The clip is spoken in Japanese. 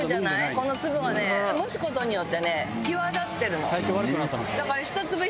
この粒がね蒸す事によってね際立ってるの。